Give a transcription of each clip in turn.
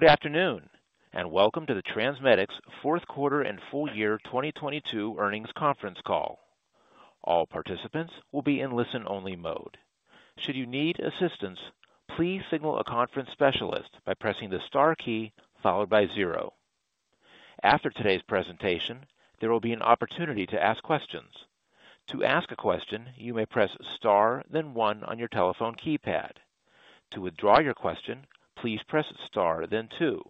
Good afternoon, welcome to the TransMedics fourth quarter and full year 2022 earnings conference call. All participants will be in listen-only mode. Should you need assistance, please signal a conference specialist by pressing the star key followed by zero. After today's presentation, there will be an opportunity to ask questions. To ask a question, you may press star then one on your telephone keypad. To withdraw your question, please press star then two.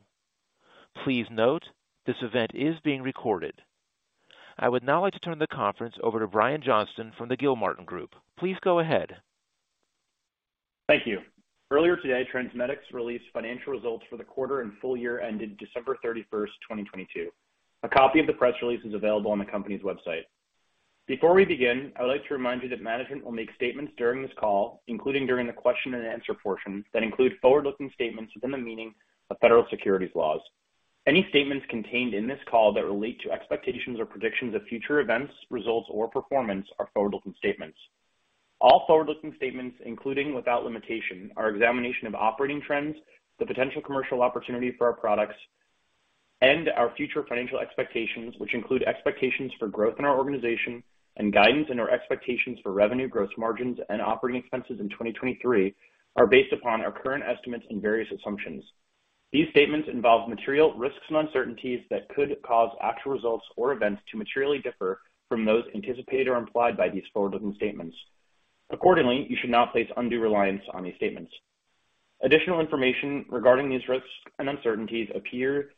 Please note this event is being recorded. I would now like to turn the conference over to Brian Johnston from the Gilmartin Group. Please go ahead. Thank you. Earlier today, TransMedics released financial results for the quarter and full year ended December 31st, 2022. A copy of the press release is available on the company's website. Before we begin, I would like to remind you that management will make statements during this call, including during the question and answer portion, that include forward-looking statements within the meaning of federal securities laws. Any statements contained in this call that relate to expectations or predictions of future events, results, or performance are forward-looking statements. All forward-looking statements, including without limitation, our examination of operating trends, the potential commercial opportunity for our products, and our future financial expectations, which include expectations for growth in our organization and guidance in our expectations for revenue growth margins and operating expenses in 2023, are based upon our current estimates and various assumptions. These statements involve material risks and uncertainties that could cause actual results or events to materially differ from those anticipated or implied by these forward-looking statements. You should not place undue reliance on these statements. Additional information regarding these risks and uncertainties appear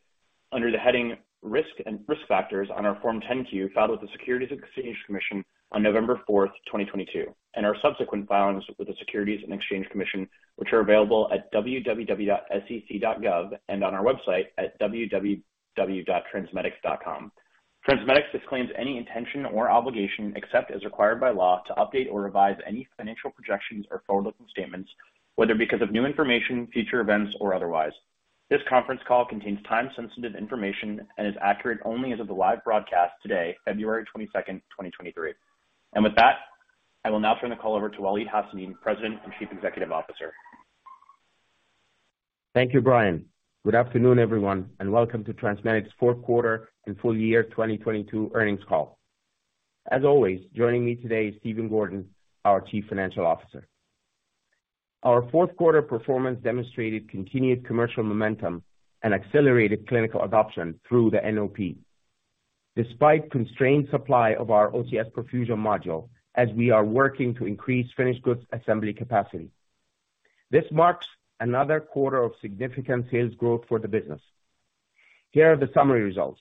under the heading Risk and Risk Factors on our Form 10-Q filed with the Securities and Exchange Commission on November 4th, 2022, and our subsequent filings with the Securities and Exchange Commission, which are available at www.sec.gov and on our website at www.transmedics.com. TransMedics disclaims any intention or obligation, except as required by law, to update or revise any financial projections or forward-looking statements, whether because of new information, future events or otherwise. This conference call contains time sensitive information and is accurate only as of the live broadcast today, February 22, 2023. With that, I will now turn the call over to Waleed Hassanein, President and Chief Executive Officer. Thank you, Brian. Welcome to TransMedics fourth quarter and full year 2022 earnings call. As always, joining me today is Stephen Gordon, our Chief Financial Officer. Our fourth quarter performance demonstrated continued commercial momentum and accelerated clinical adoption through the NOP despite constrained supply of our OCS perfusion module as we are working to increase finished goods assembly capacity. This marks another quarter of significant sales growth for the business. Here are the summary results.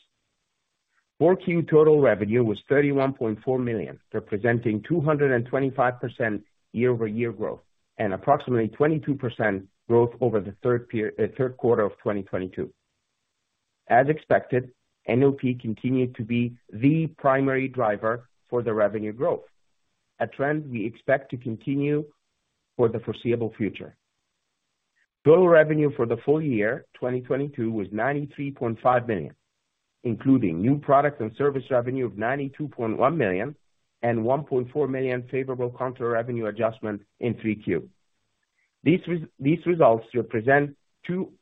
Q4 total revenue was $31.4 million, representing 225% YoY growth and approximately 22% growth over the Q3 of 2022. As expected, NOP continued to be the primary driver for the revenue growth, a trend we expect to continue for the foreseeable future. Total revenue for the full year 2022 was $93.5 million, including new product and service revenue of $92.1 million and $1.4 million favorable contra revenue adjustment in Q3. These results represent 209%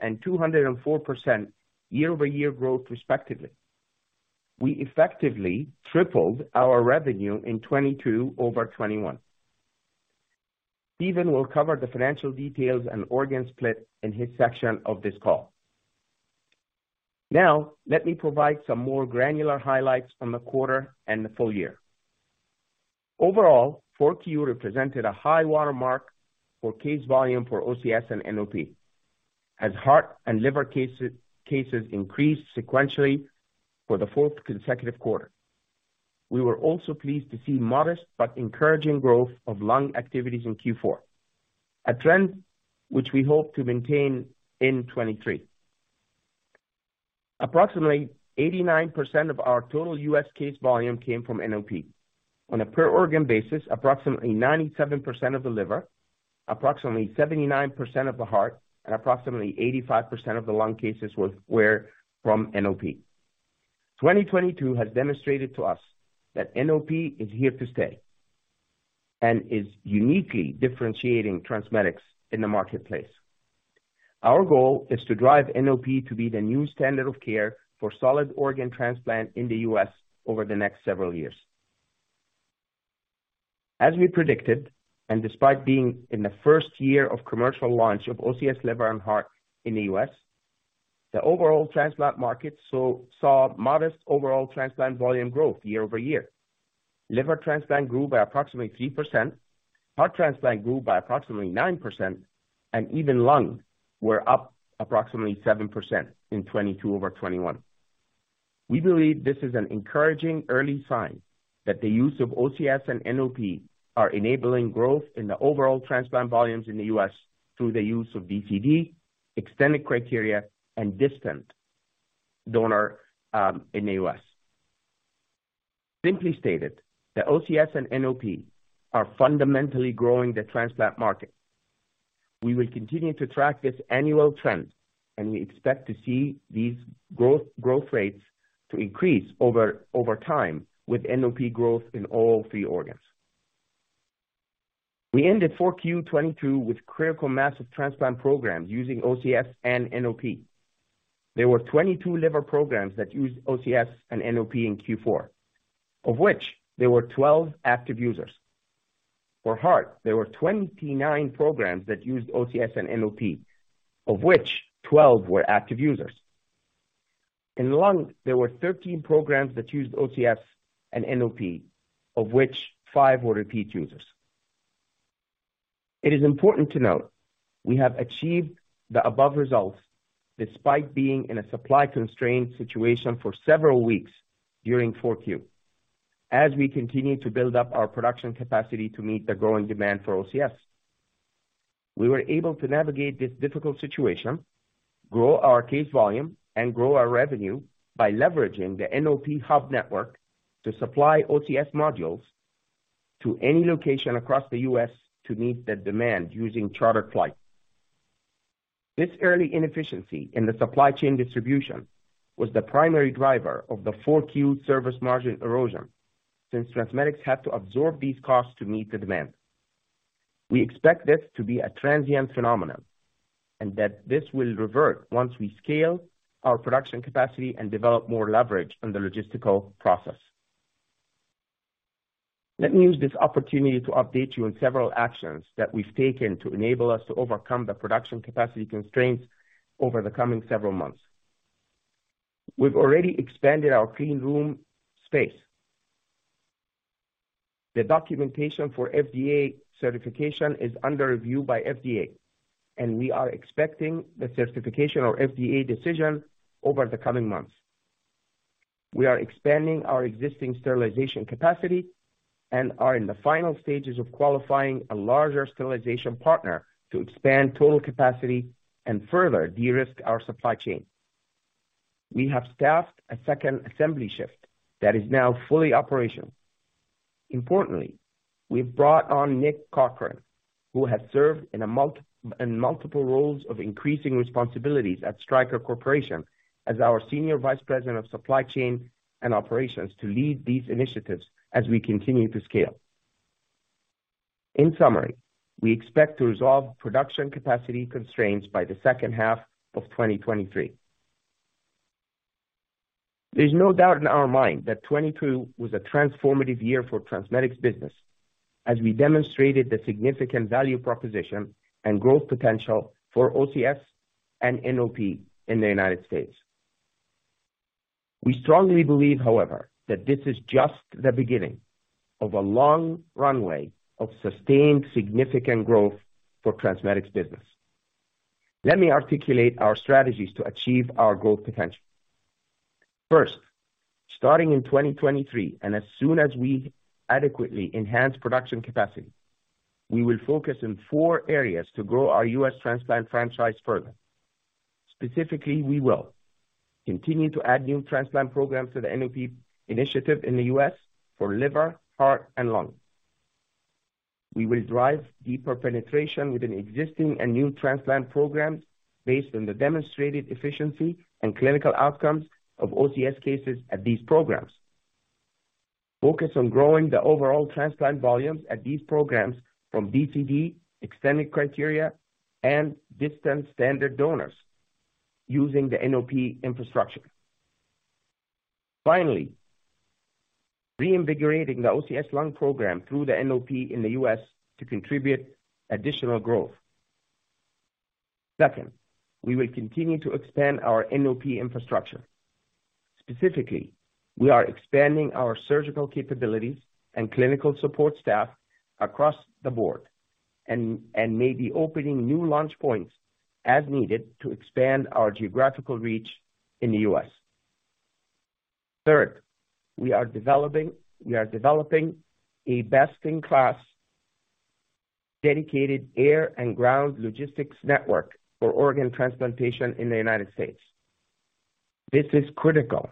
and 204% YoY growth respectively. We effectively tripled our revenue in 2022 over 2021. Stephen will cover the financial details and organ split in his section of this call. Now let me provide some more granular highlights from the quarter and the full year. Overall, Q4 represented a high watermark for case volume for OCS and NOP as heart and liver cases increased sequentially for the fourth consecutive quarter. We were also pleased to see modest but encouraging growth of lung activities in Q4, a trend which we hope to maintain in 2023. Approximately 89% of our total U.S. case volume came from NOP. On a per organ basis, approximately 97% of the liver, approximately 79% of the heart, and approximately 85% of the lung cases were from NOP. 2022 has demonstrated to us that NOP is here to stay and is uniquely differentiating TransMedics in the marketplace. Our goal is to drive NOP to be the new standard of care for solid organ transplant in the U.S. over the next several years. As we predicted, and despite being in the first year of commercial launch of OCS Liver and Heart in the U.S., the overall transplant market saw modest overall transplant volume growth year-over-year. Liver transplant grew by approximately 3%. Heart transplant grew by approximately 9%, and even lungs were up approximately 7% in 2022 over 2021. We believe this is an encouraging early sign that the use of OCS and NOP are enabling growth in the overall transplant volumes in the U.S through the use of DCD, extended criteria, and distant donor in the U.S. Simply stated, the OCS and NOP are fundamentally growing the transplant market. We will continue to track this annual trend, and we expect to see these growth rates to increase over time with NOP growth in all three organs. We ended 4Q22 with critical mass of transplant programs using OCS and NOP. There were 22 liver programs that used OCS and NOP in Q4, of which there were 12 active users. For heart, there were 29 programs that used OCS and NOP, of which 12 were active users. In lung, there were 13 programs that used OCS and NOP, of which 5 were repeat users. It is important to note we have achieved the above results despite being in a supply constrained situation for several weeks during Q4 as we continue to build up our production capacity to meet the growing demand for OCS. We were able to navigate this difficult situation, grow our case volume, and grow our revenue by leveraging the NOP hub network to supply OCS modules to any location across the U.S. to meet the demand using charter flights. This early inefficiency in the supply chain distribution was the primary driver of the Q4 service margin erosion, since TransMedics had to absorb these costs to meet the demand. We expect this to be a transient phenomenon and that this will revert once we scale our production capacity and develop more leverage on the logistical process. Let me use this opportunity to update you on several actions that we've taken to enable us to overcome the production capacity constraints over the coming several months. We've already expanded our cleanroom space. The documentation for FDA certification is under review by FDA, and we are expecting the certification or FDA decision over the coming months. We are expanding our existing sterilization capacity and are in the final stages of qualifying a larger sterilization partner to expand total capacity and further de-risk our supply chain. We have staffed a second assembly shift that is now fully operational. Importantly, we've brought on Nick Cochran, who has served in multiple roles of increasing responsibilities at Stryker Corporation as our Senior Vice President of Supply Chain and Operations to lead these initiatives as we continue to scale. In summary, we expect to resolve production capacity constraints by the second half of 2023. There's no doubt in our mind that 2022 was a transformative year for TransMedics as we demonstrated the significant value proposition and growth potential for OCS and NOP in the United States. We strongly believe, however, that this is just the beginning of a long runway of sustained, significant growth for TransMedics. Let me articulate our strategies to achieve our growth potential. First, starting in 2023, and as soon as we adequately enhance production capacity, we will focus in four areas to grow our U.S. transplant franchise further. Specifically, we will continue to add new transplant programs to the NOP initiative in the U.S. for liver, heart, and lung. We will drive deeper penetration within existing and new transplant programs based on the demonstrated efficiency and clinical outcomes of OCS cases at these programs. Focus on growing the overall transplant volumes at these programs from DCD extended criteria and distant standard donors using the NOP infrastructure. Finally, reinvigorating the OCS lung program through the NOP in the U.S. to contribute additional growth. Second, we will continue to expand our NOP infrastructure. Specifically, we are expanding our surgical capabilities and clinical support staff across the board and may be opening new launch points as needed to expand our geographical reach in the U.S. Third, we are developing a best-in-class dedicated air and ground logistics network for organ transplantation in the United States. This is critical.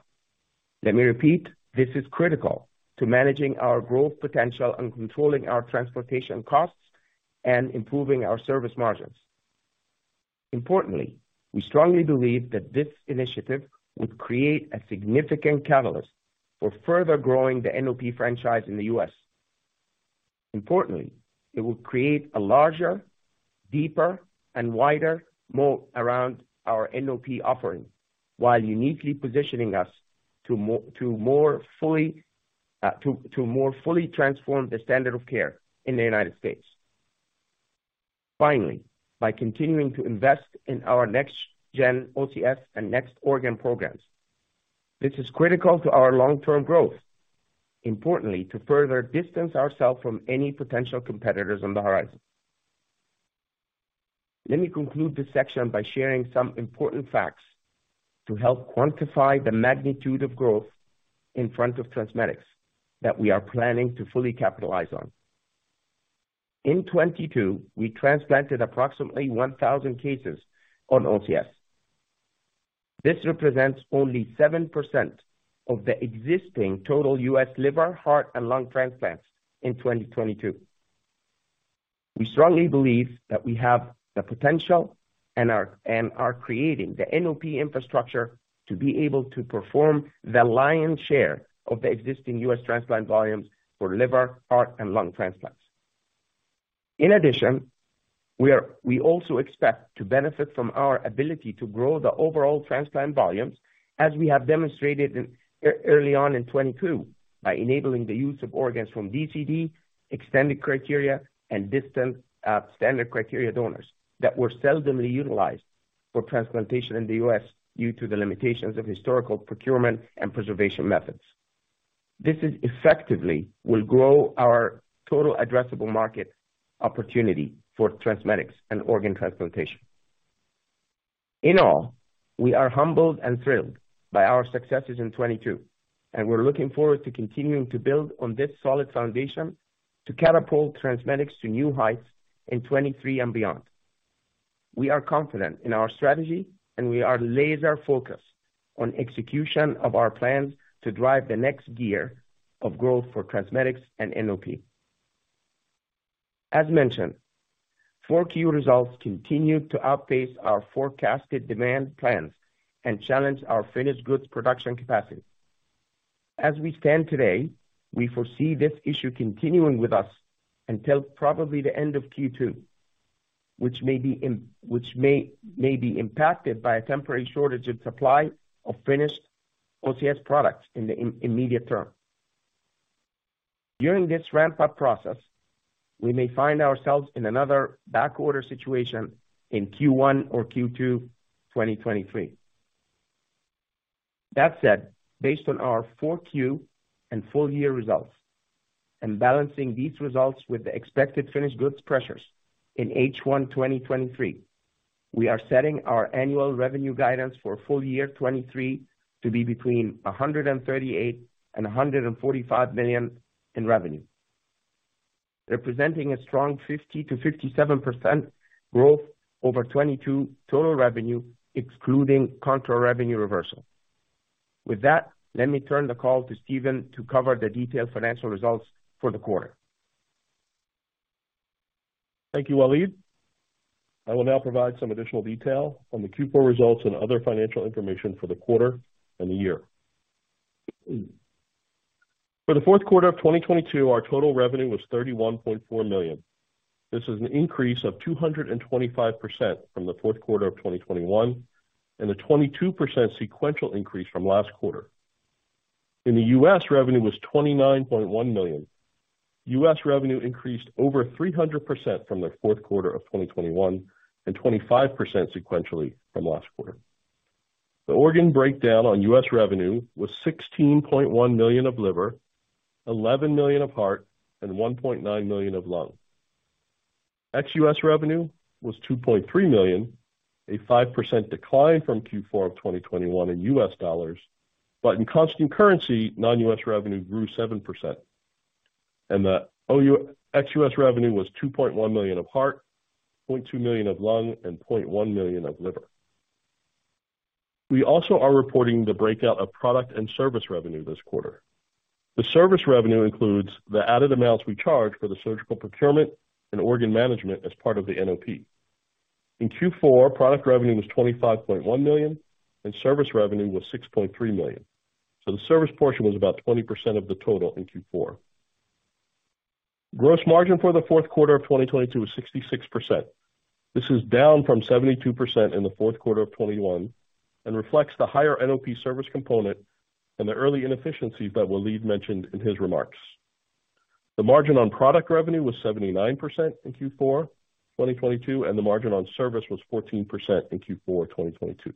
Let me repeat. This is critical to managing our growth potential and controlling our transportation costs and improving our service margins. Importantly, we strongly believe that this initiative would create a significant catalyst for further growing the NOP franchise in the U.S. Importantly, it will create a larger, deeper and wider moat around our NOP offering, while uniquely positioning us to more fully transform the standard of care in the United States. Finally, by continuing to invest in our Next-Gen OCS and next organ programs, this is critical to our long-term growth. Importantly, to further distance ourselves from any potential competitors on the horizon. Let me conclude this section by sharing some important facts to help quantify the magnitude of growth in front of TransMedics that we are planning to fully capitalize on. In 2022, we transplanted approximately 1,000 cases on OCS. This represents only 7% of the existing total U.S. liver, heart, and lung transplants in 2022. We strongly believe that we have the potential and are creating the NOP infrastructure to be able to perform the lion's share of the existing U.S. transplant volumes for liver, heart, and lung transplants. In addition, we also expect to benefit from our ability to grow the overall transplant volumes as we have demonstrated in early on in 2022 by enabling the use of organs from DCD, extended criteria, and distant standard criteria donors that were seldomly utilized for transplantation in the U.S. due to the limitations of historical procurement and preservation methods. This is effectively will grow our total addressable market opportunity for TransMedics and organ transplantation. In all, we are humbled and thrilled by our successes in 2022, we're looking forward to continuing to build on this solid foundation to catapult TransMedics to new heights in 2023 and beyond. We are confident in our strategy, we are laser-focused on execution of our plans to drive the next gear of growth for TransMedics and NOP. As mentioned, Q4 results continued to outpace our forecasted demand plans and challenge our finished goods production capacity. As we stand today, we foresee this issue continuing with us until probably the end of Q2, which may be impacted by a temporary shortage of supply of finished OCS products in the immediate term. During this ramp-up process, we may find ourselves in another backorder situation in Q1 or Q2, 2023. That said, based on our Q4 and full year results, balancing these results with the expected finished goods pressures in H1 2023, we are setting our annual revenue guidance for full year 2023 to be between $138 million and $145 million in revenue. Representing a strong 50%-57% growth over 2022 total revenue, excluding contra revenue reversal. Let me turn the call to Stephen to cover the detailed financial results for the quarter. Thank you, Waleed. I will now provide some additional detail on the Q4 results and other financial information for the quarter and the year. For the fourth quarter of 2022, our total revenue was $31.4 million. This is an increase of 225% from the fourth quarter of 2021 and a 22% sequential increase from last quarter. In the U.S., revenue was $29.1 million. U.S. revenue increased over 300% from the fourth quarter of 2021 and 25% sequentially from last quarter. The organ breakdown on U.S. revenue was $16.1 million of liver, $11 million of heart, and $1.9 million of lung. Ex-U.S. revenue was $2.3 million, a 5% decline from Q4 of 2021 in U.S. dollars. In constant currency, non-U.S. revenue grew 7%. The OUS revenue was $2.1 million of heart, $0.2 million of lung, and $0.1 million of liver. We also are reporting the breakout of product and service revenue this quarter. The service revenue includes the added amounts we charge for the surgical procurement and organ management as part of the NOP. In Q4, product revenue was $25.1 million, and service revenue was $6.3 million. The service portion was about 20% of the total in Q4. Gross margin for the fourth quarter of 2022 was 66%. This is down from 72% in the fourth quarter of 2021 and reflects the higher NOP service component and the early inefficiencies that Waleed mentioned in his remarks. The margin on product revenue was 79% in Q4 2022, and the margin on service was 14% in Q4 2022.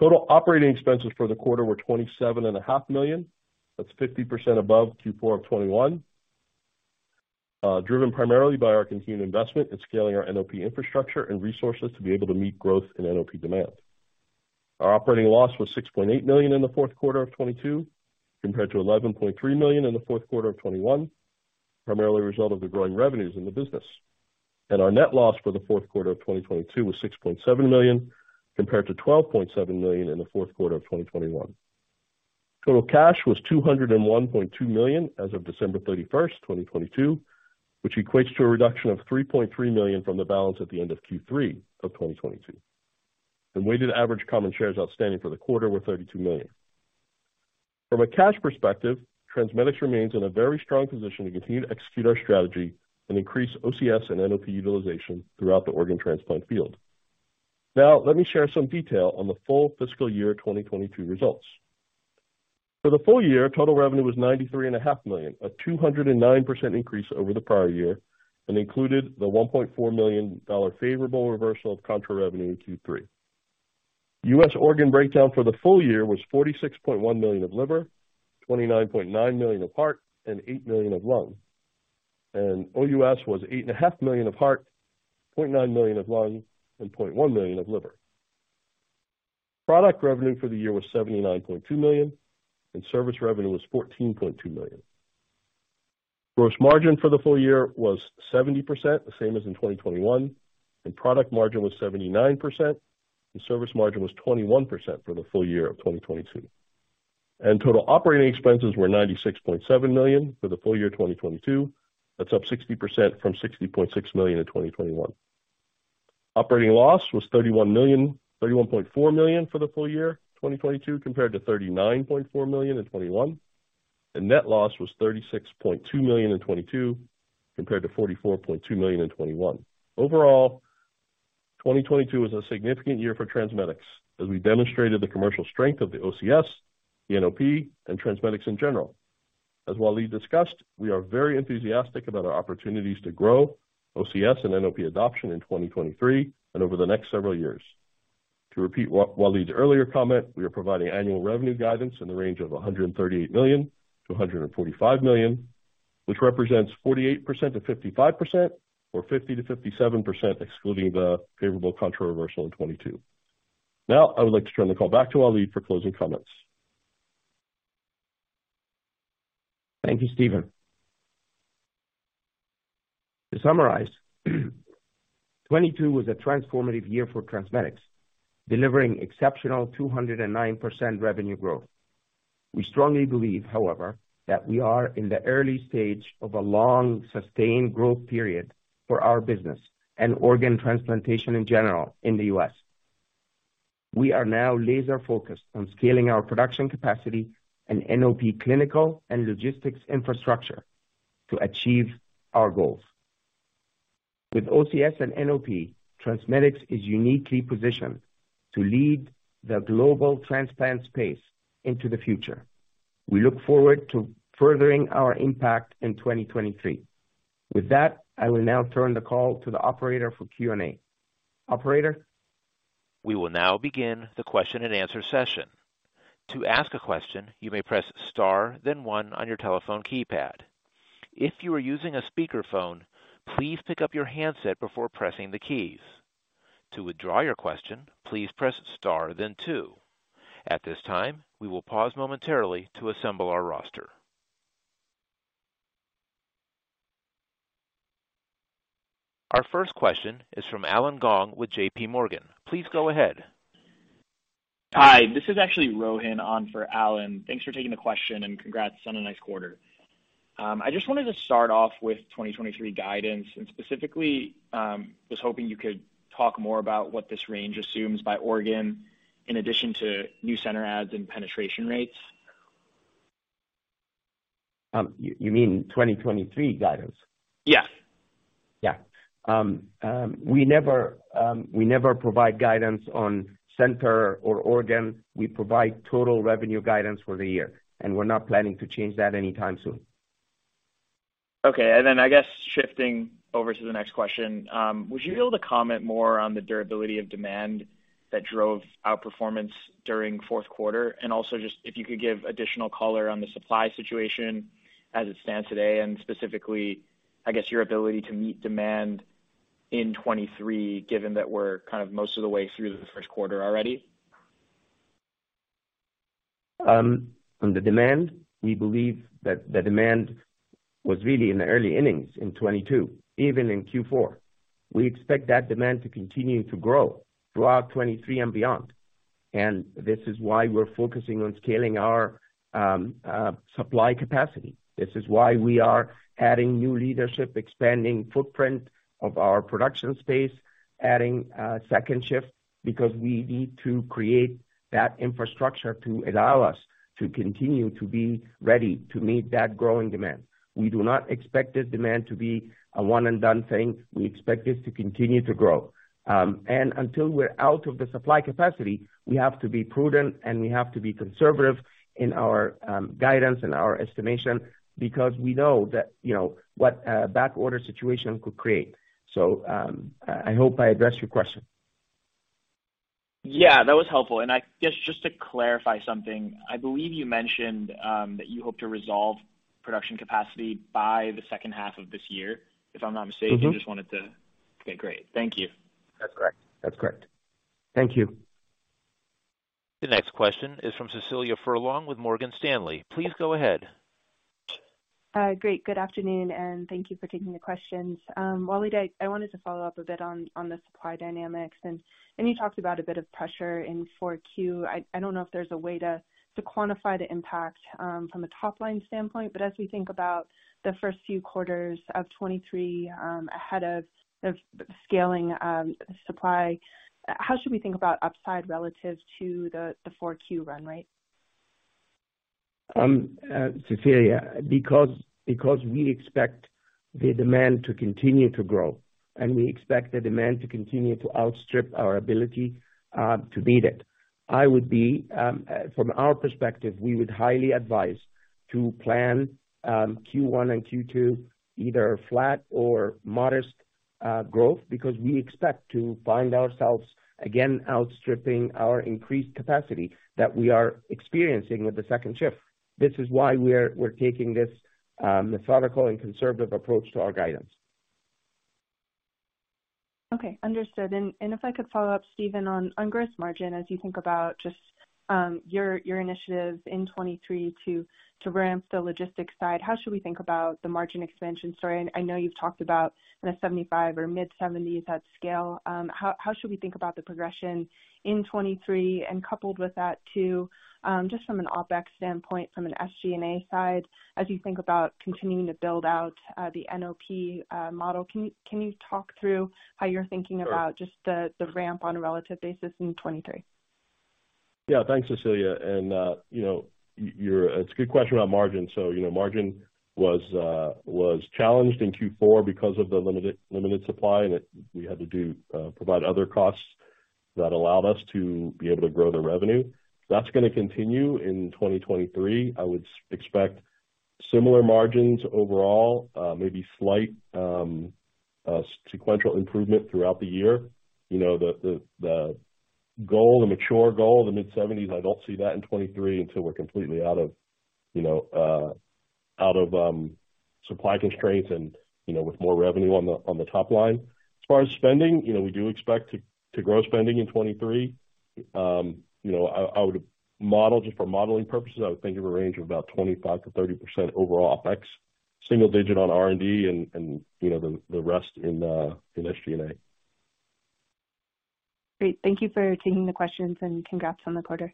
Total operating expenses for the quarter were $27.5 million. That's 50% above Q4 2021, driven primarily by our continued investment in scaling our NOP infrastructure and resources to be able to meet growth in NOP demand. Our operating loss was $6.8 million in the fourth quarter of 2022 compared to $11.3 million in the fourth quarter of 2021, primarily a result of the growing revenues in the business. Our net loss for the fourth quarter of 2022 was $6.7 million, compared to $12.7 million in the fourth quarter of 2021. Total cash was $201.2 million as of December 31st, 2022, which equates to a reduction of $3.3 million from the balance at the end of Q3 of 2022. The weighted average common shares outstanding for the quarter were 32 million. From a cash perspective, TransMedics remains in a very strong position to continue to execute our strategy and increase OCS and NOP utilization throughout the organ transplant field. Let me share some detail on the full fiscal year 2022 results. For the full year, total revenue was $93.5 million, a 209% increase over the prior year, and included the $1.4 million favorable reversal of contra revenue in Q3. US organ breakdown for the full year was $46.1 million of liver, $29.9 million of heart, and $8 million of lung. OUS was $8.5 million of heart, $0.9 million of lung, and $0.1 million of liver. Product revenue for the year was $79.2 million, and service revenue was $14.2 million. Gross margin for the full year was 70%, the same as in 2021, and product margin was 79%, and service margin was 21% for the full year of 2022. Total operating expenses were $96.7 million for the full year 2022. That's up 60% from $60.6 million in 2021. Operating loss was $31.4 million for the full year 2022, compared to $39.4 million in 2021. Net loss was $36.2 million in 2022, compared to $44.2 million in 2021. Overall, 2022 was a significant year for TransMedics as we demonstrated the commercial strength of the OCS, the NOP and TransMedics in general. As Waleed discussed, we are very enthusiastic about our opportunities to grow OCS and NOP adoption in 2023 and over the next several years. To repeat Waleed's earlier comment, we are providing annual revenue guidance in the range of $138 million to $145 million, which represents 48%-55% or 50%-57% excluding the favorable contra reversal in 2022. I would like to turn the call back to Waleed for closing comments. Thank you, Stephen. To summarize, 2022 was a transformative year for TransMedics, delivering exceptional 209% revenue growth. We strongly believe, however, that we are in the early stage of a long sustained growth period for our business and organ transplantation in general in the U.S. We are now laser focused on scaling our production capacity and NOP clinical and logistics infrastructure to achieve our goals. With OCS and NOP, TransMedics is uniquely positioned to lead the global transplant space into the future. We look forward to furthering our impact in 2023. I will now turn the call to the operator for Q&A. Operator? We will now begin the question-and-answer session. To ask a question, you may press star then one on your telephone keypad. If you are using a speakerphone, please pick up your handset before pressing the keys. To withdraw your question, please press star then two. At this time, we will pause momentarily to assemble our roster. Our first question is from Allen Gong with JPMorgan. Please go ahead. Hi, this is actually Rohan on for Allen. Thanks for taking the question and congrats on a nice quarter. I just wanted to start off with 2023 guidance and specifically, just hoping you could talk more about what this range assumes by organ in addition to new center adds and penetration rates. you mean 2023 guidance? Yes. Yeah. We never provide guidance on center or organ. We provide total revenue guidance for the year, we're not planning to change that anytime soon. Okay. I guess shifting over to the next question. Would you be able to comment more on the durability of demand that drove outperformance during 4th quarter? Just if you could give additional color on the supply situation as it stands today and specifically, I guess, your ability to meet demand in 2023, given that we're kind of most of the way through the 1st quarter already. On the demand, we believe that the demand was really in the early innings in 2022, even in Q4. We expect that demand to continue to grow throughout 2023 and beyond. This is why we're focusing on scaling our supply capacity. This is why we are adding new leadership, expanding footprint of our production space, adding a second shift because we need to create that infrastructure to allow us to continue to be ready to meet that growing demand. We do not expect the demand to be a one and done thing. We expect this to continue to grow. Until we're out of the supply capacity, we have to be prudent, and we have to be conservative in our guidance and our estimation because we know that what a backorder situation could create. I hope I addressed your question. Yeah, that was helpful. I guess just to clarify something, I believe you mentioned that you hope to resolve production capacity by the second half of this year, if I'm not mistaken? Mm-hmm. Okay, great. Thank you. That's correct. That's correct. Thank you. The next question is from Cecilia Furlong with Morgan Stanley. Please go ahead. great, good afternoon, and thank you for taking the questions. Waleed, I wanted to follow up a bit on the supply dynamics. You talked about a bit of pressure in 4Q. I don't know if there's a way to quantify the impact from a top-line standpoint, but as we think about the first few quarters of 2023, ahead of scaling supply, how should we think about upside relative to the 4Q run rate? Cecilia, because we expect the demand to continue to grow, and we expect the demand to continue to outstrip our ability to meet it, I would be from our perspective, we would highly advise to plan Q1 and Q2 either flat or modest growth, because we expect to find ourselves again outstripping our increased capacity that we are experiencing with the second shift. This is why we're taking this methodical and conservative approach to our guidance. Okay. Understood. If I could follow up, Stephen, on gross margin as you think about just, your initiatives in 23 to ramp the logistics side, how should we think about the margin expansion story? I know you've talked about the 75 or mid-70s at scale. How should we think about the progression in 23? Coupled with that too, just from an OpEx standpoint, from an SG&A side, as you think about continuing to build out the NOP model, can you talk through how you're thinking about. Sure. just the ramp on a relative basis in 2023? Yeah. Thanks, Cecilia. You know, it's a good question about margin. You know, margin was challenged in Q4 because of the limited supply, and we had to provide other costs that allowed us to be able to grow the revenue. That's gonna continue in 2023. I would expect similar margins overall, maybe slight sequential improvement throughout the year. You know, the goal, the mature goal of the mid-70s, I don't see that in 2023 until we're completely out of supply constraints and, you know, with more revenue on the top line. As far as spending, you know, we do expect to grow spending in 2023. you know, I would model just for modeling purposes, I would think of a range of about 25%-30% overall OpEx, single digit on R&D and, you know, the rest in SG&A. Great. Thank you for taking the questions and congrats on the quarter.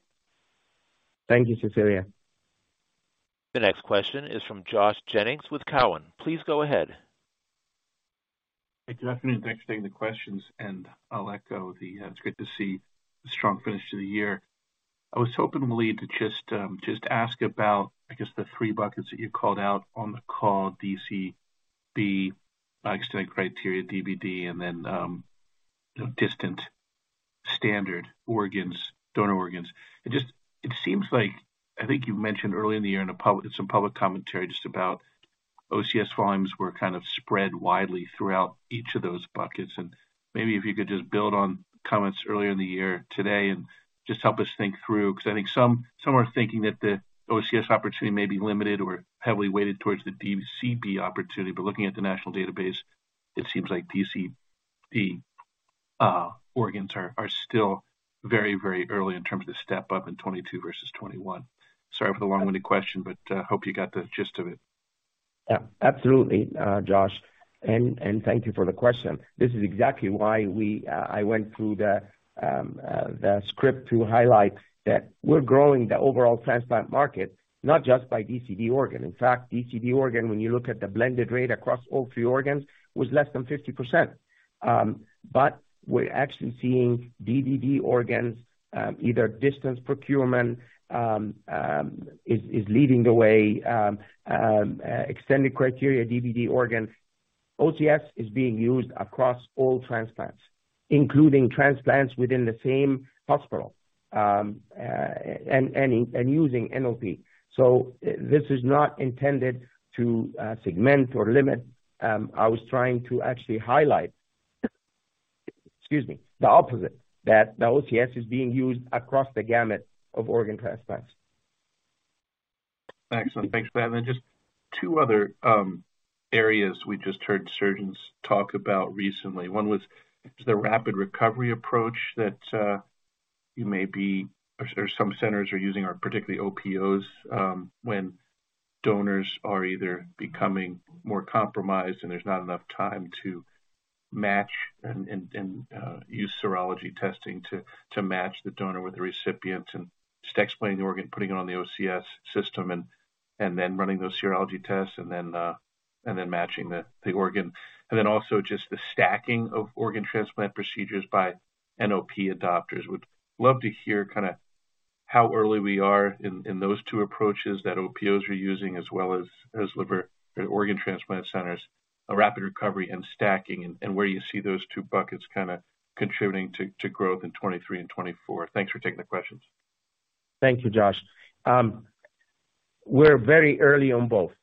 Thank you, Cecilia. The next question is from Josh Jennings with Cowen. Please go ahead. Hey, good afternoon. Thanks for taking the questions, and I'll echo the, it's great to see the strong finish to the year. I was hoping, Waleed, to just ask about, I guess, the three buckets that you called out on the call, DCD, extended criteria, DBD, and then, you know, distant standard organs, donor organs. It seems like, I think you've mentioned earlier in the year in some public commentary just about OCS volumes were kind of spread widely throughout each of those buckets. Maybe if you could just build on comments earlier in the year today and just help us think through, because I think some are thinking that the OCS opportunity may be limited or heavily weighted towards the DCD opportunity. Looking at the national database, it seems like DCD organs are still very early in terms of the step up in 22 versus 21. Sorry for the long-winded question, hope you got the gist of it. Yeah. Absolutely, Josh, and thank you for the question. This is exactly why we, I went through the script to highlight that we're growing the overall transplant market, not just by DCD organ. In fact, DCD organ, when you look at the blended rate across all three organs, was less than 50%. We're actually seeing DBD organs, either distance procurement, is leading the way, extended criteria DBD organs. OCS is being used across all transplants, including transplants within the same hospital, and using NOP. This is not intended to segment or limit. I was trying to actually highlight, excuse me, the opposite, that the OCS is being used across the gamut of organ transplants. Excellent. Thanks for that. Just two other areas we just heard surgeons talk about recently. One was the rapid recovery approach that you may be or some centers are using or particularly OPOs when donors are either becoming more compromised and there's not enough time to match and use serology testing to match the donor with the recipient and just explaining the organ, putting it on the OCS system and then running those serology tests and then matching the organ. Also just the stacking of organ transplant procedures by NOP adopters. Would love to hear kinda how early we are in those two approaches that OPOs are using as well as organ transplant centers, a rapid recovery and stacking and where you see those two buckets kinda contributing to growth in 2023 and 2024. Thanks for taking the questions. Thank you, Josh. We're very early on both.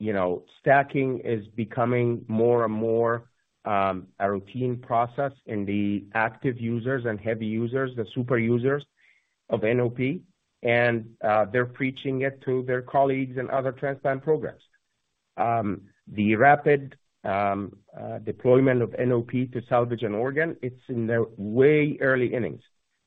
You know, stacking is becoming more and more a routine process in the active users and heavy users, the super users of NOP, and they're preaching it to their colleagues in other transplant programs. The rapid deployment of NOP to salvage an organ, it's in the way early innings.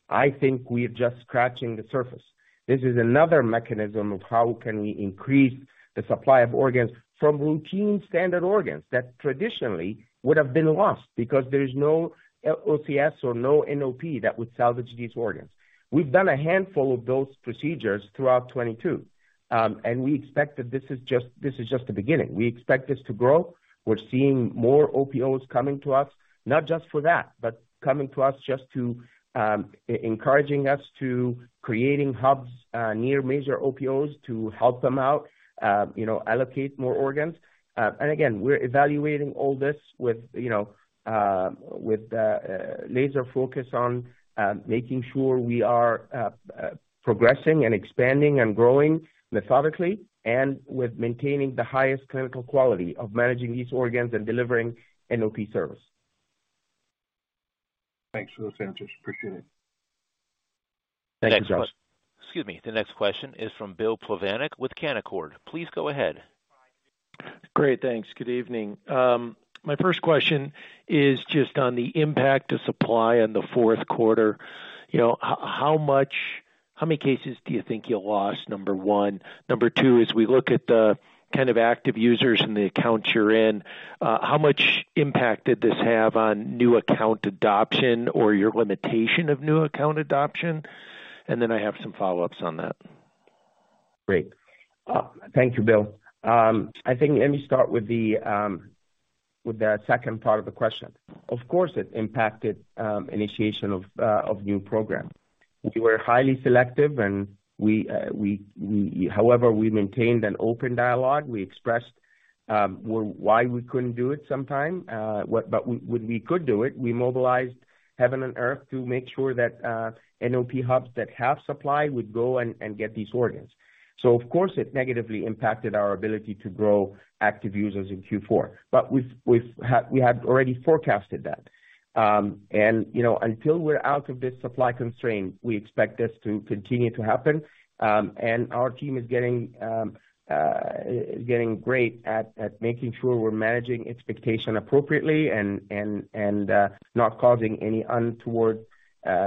I think we are just scratching the surface. This is another mechanism of how can we increase the supply of organs from routine standard organs that traditionally would have been lost because there is no OCS or no NOP that would salvage these organs. We've done a handful of those procedures throughout 2022, and we expect that this is just, this is just the beginning. We expect this to grow. We're seeing more OPOs coming to us, not just for that, but coming to us just to encouraging us to creating hubs, near major OPOs to help them out, you know, allocate more organs. Again, we're evaluating all this with, you know, with the laser focus on making sure we are progressing and expanding and growing methodically and with maintaining the highest clinical quality of managing these organs and delivering N service. Thanks for those answers. Appreciate it. Thank you, Joshua Excuse me. The next question is from Bill Plovanic with Canaccord. Please go ahead. Great. Thanks. Good evening. My first question is just on the impact to supply in the fourth quarter. You know, how many cases do you think you lost, number one? Number two is we look at the kind of active users in the accounts you're in, how much impact did this have on new account adoption or your limitation of new account adoption? I have some follow-ups on that. Great. Thank you, Bill. I think let me start with the second part of the question. Of course, it impacted initiation of new program. We were highly selective. However, we maintained an open dialogue. We expressed why we couldn't do it sometime, but when we could do it, we mobilized heaven and earth to make sure that NOP hubs that have supply would go and get these organs. Of course, it negatively impacted our ability to grow active users in Q4. We have already forecasted that. You know, until we're out of this supply constraint, we expect this to continue to happen. Our team is getting great at making sure we're managing expectation appropriately and not causing any untoward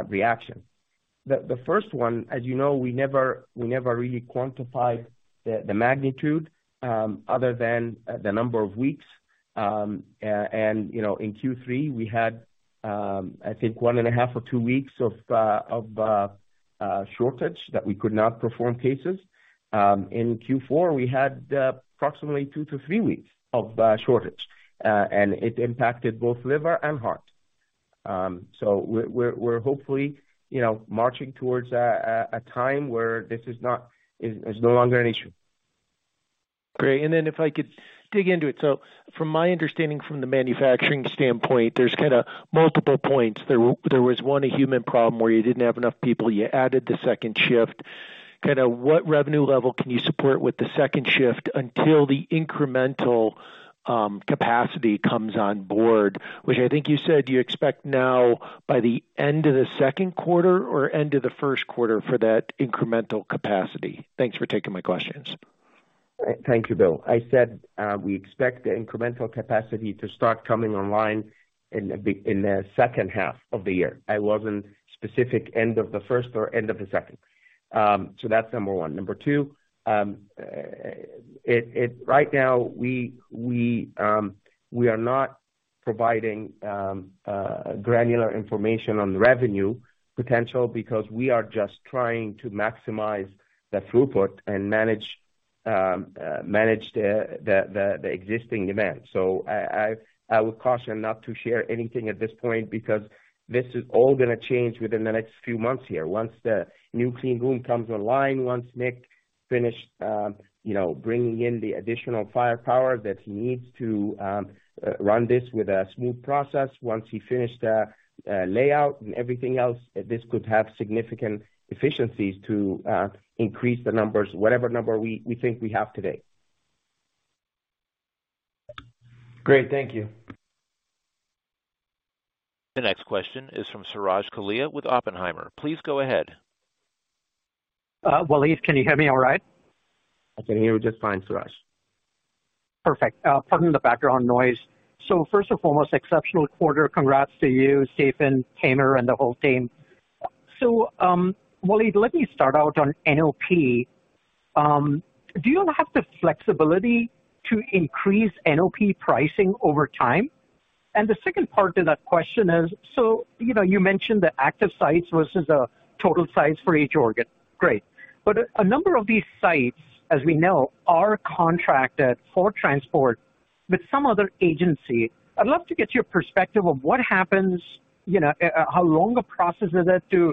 reaction. The first one, as you know, we never really quantified the magnitude other than the number of weeks. You know, in Q3, we had, I think 1.5 or 2 weeks of shortage that we could not perform cases. In Q4, we had approximately 2-3 weeks of shortage and it impacted both liver and heart. We're hopefully, you know, marching towards a time where this is no longer an issue. Great. If I could dig into it. From my understanding from the manufacturing standpoint, there's kinda multiple points. There was one, a human problem where you didn't have enough people, you added the second shift. Kinda what revenue level can you support with the second shift until the incremental capacity comes on board, which I think you said you expect now by the end of the second quarter or end of the first quarter for that incremental capacity? Thanks for taking my questions. Thank you, Bill. I said, we expect the incremental capacity to start coming online in the second half of the year. I wasn't specific end of the first or end of the second. That's number one. Number two, right now we are not providing granular information on the revenue potential because we are just trying to maximize the throughput and manage the existing demand. I would caution not to share anything at this point because this is all gonna change within the next few months here. Once the new cleanroom comes online, once Nick finished, you know, bringing in the additional firepower that he needs to run this with a smooth process, once he finished the layout and everything else, this could have significant efficiencies to increase the numbers, whatever number we think we have today. Great. Thank you. The next question is from Suraj Kalia with Oppenheimer. Please go ahead. Waleed, can you hear me all right? I can hear you just fine, Suraj. Perfect. Pardon the background noise. First and foremost, exceptional quarter. Congrats to you, Stephen, Tamer, and the whole team. Waleed, let me start out on NOP. Do you have the flexibility to increase NOP pricing over time? The second part to that question is, you know, you mentioned the active sites versus the total sites for each organ. Great. A number of these sites, as we know, are contracted for transport with some other agency. I'd love to get your perspective of what happens, you know, how long a process is it to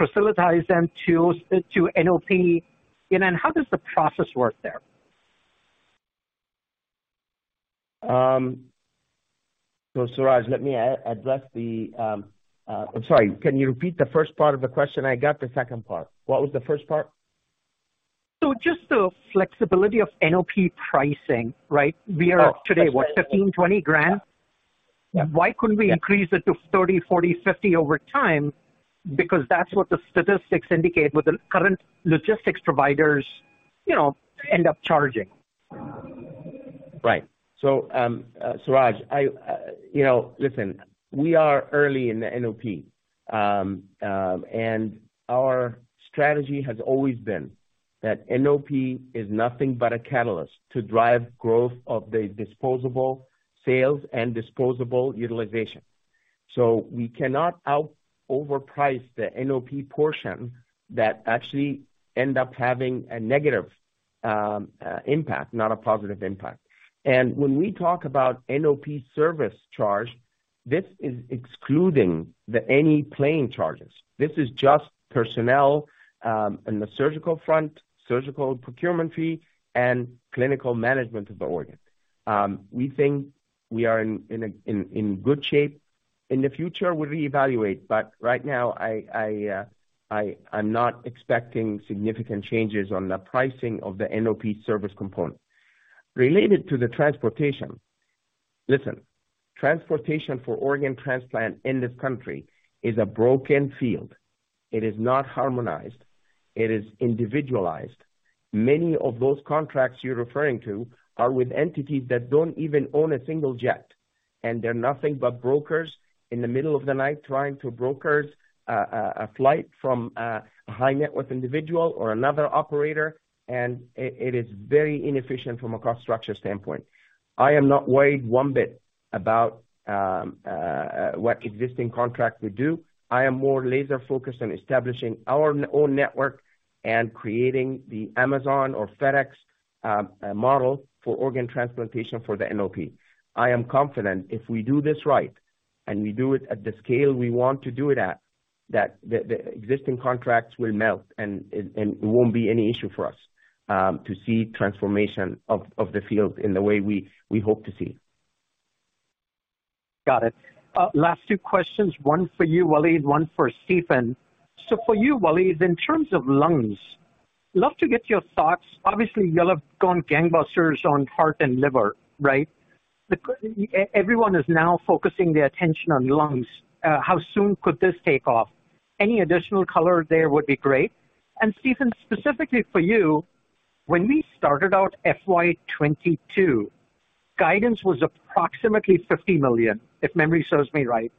facilitize them to NOP, you know, and how does the process work there? Suraj, let me address the... I'm sorry. Can you repeat the first part of the question? I got the second part. What was the first part? just the flexibility of NOP pricing, right? We are today, what, $15,000-$20,000? Yeah. Why couldn't we increase it to 30, 40, 50 over time? Because that's what the statistics indicate with the current logistics providers, you know, end up charging. Right. Suraj, I, we are early in the NOP. Our strategy has always been that NOP is nothing but a catalyst to drive growth of the disposable sales and disposable utilization. We cannot out-overprice the NOP portion that actually end up having a negative impact, not a positive impact. When we talk about NOP service charge, this is excluding any plane charges. This is just personnel in the surgical front, surgical procurement fee, and clinical management of the organ. We think we are in good shape. In the future, we'll reevaluate, but right now I'm not expecting significant changes on the pricing of the NOP service component. Related to the transportation. Listen, transportation for organ transplant in this country is a broken field. It is not harmonized, it is individualized. Many of those contracts you're referring to are with entities that don't even own a single jet, and they're nothing but brokers in the middle of the night trying to broker a flight from a high net worth individual or another operator. It is very inefficient from a cost structure standpoint. I am not worried one bit about what existing contracts we do. I am more laser focused on establishing our own network and creating the Amazon or FedEx model for organ transplantation for the NOP. I am confident if we do this right and we do it at the scale we want to do it at, that the existing contracts will melt and it won't be any issue for us, to see transformation of the field in the way we hope to see. Got it. Last two questions, one for you, Waleed, one for Stephen. For you, Waleed, in terms of lungs, love to get your thoughts. Obviously, y'all have gone gangbusters on heart and liver, right? Everyone is now focusing their attention on lungs. How soon could this take off? Any additional color there would be great. Stephen, specifically for you, when we started out FY 2022, guidance was approximately $50 million, if memory serves me right.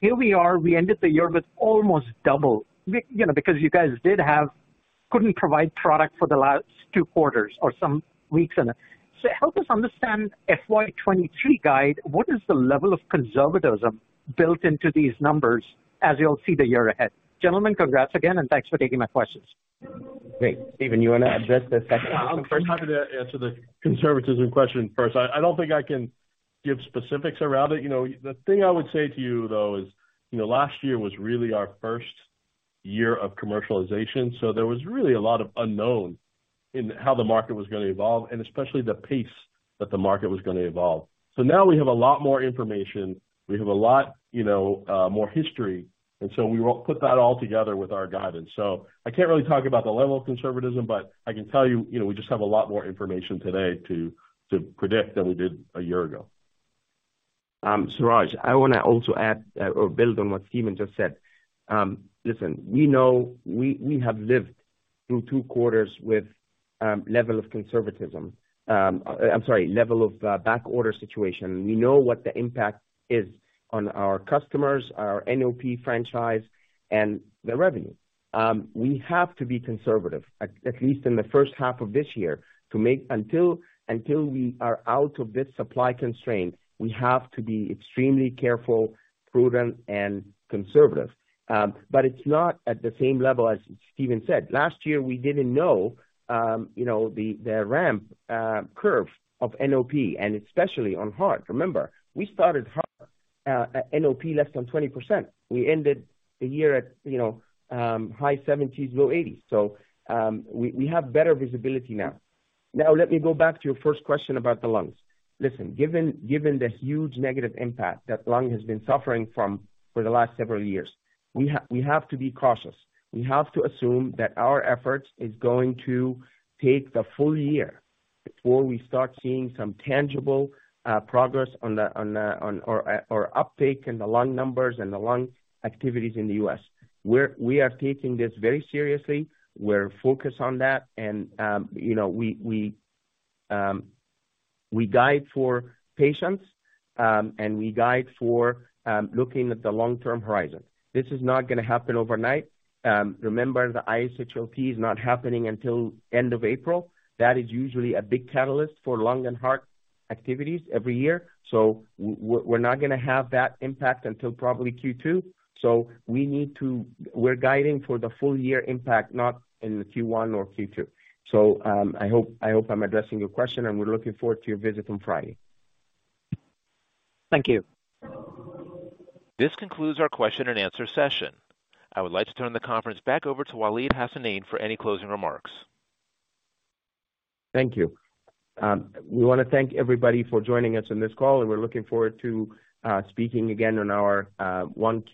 Here we are, we ended the year with almost double. You know, because you guys couldn't provide product for the last two quarters or some weeks. Help us understand FY 2023 guide. What is the level of conservatism built into these numbers as you'll see the year ahead? Gentlemen, congrats again, and thanks for taking my questions. Great. Stephen, you wanna address this question? Yeah, I'm happy to answer the conservatism question first. I don't think I can give specifics around it. You know, the thing I would say to you, though, is, you know, last year was really our first year of commercialization, so there was really a lot of unknown in how the market was gonna evolve and especially the pace that the market was gonna evolve. Now we have a lot more information. We have a lot, you know, more history, and so we put that all together with our guidance. I can't really talk about the level of conservatism, but I can tell you know, we just have a lot more information today to predict than we did a year ago. Suraj, I wanna also add or build on what Stephen just said. Listen, we know we have lived through two quarters with level of conservatism. I'm sorry, level of backorder situation. We know what the impact is on our customers, our NOP franchise and the revenue. We have to be conservative at least in the first half of this year. Until we are out of this supply constraint, we have to be extremely careful, prudent and conservative. It's not at the same level as Stephen said. Last year we didn't know, you know, the ramp curve of NOP and especially on heart. Remember, we started heart at NOP less than 20%. We ended the year at, you know, high 70s, low 80s. We have better visibility now. Now, let me go back to your first question about the lungs. Listen, given the huge negative impact that lung has been suffering from for the last several years, we have to be cautious. We have to assume that our efforts is going to take the full year before we start seeing some tangible progress on the uptake in the lung numbers and the lung activities in the US. We are taking this very seriously. We're focused on that and, you know, we guide for patients, and we guide for looking at the long-term horizon. This is not gonna happen overnight. Remember, the ISHLT is not happening until end of April. That is usually a big catalyst for lung and heart activities every year. We're not gonna have that impact until probably Q2. We're guiding for the full year impact, not in the Q1 or Q2. I hope I'm addressing your question and we're looking forward to your visit on Friday. Thank you. This concludes our question and answer session. I would like to turn the conference back over to Waleed Hassanein for any closing remarks. Thank you. We wanna thank everybody for joining us on this call and we're looking forward to speaking again on our 1Q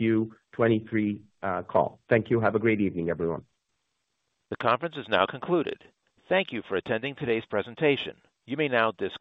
2023 call. Thank you. Have a great evening, everyone. The conference is now concluded. Thank you for attending today's presentation. You may now disconnect.